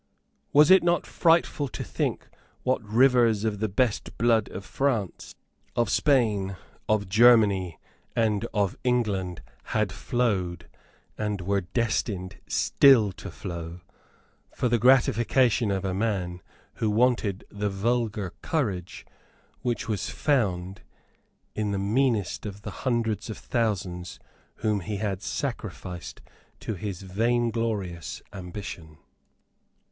Was it not frightful to think what rivers of the best blood of France, of Spain, of Germany and of England, had flowed, and were destined still to flow, for the gratification of a man who wanted the vulgar courage which was found in the meanest of the hundreds of thousands whom he had sacrificed to his vainglorious ambition?